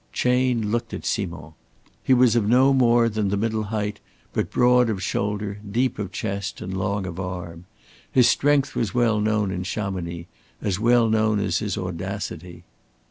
Chayne looked at Simond. He was of no more than the middle height, but broad of shoulder, deep of chest, and long of arm. His strength was well known in Chamonix as well known as his audacity.